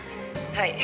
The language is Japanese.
「はい。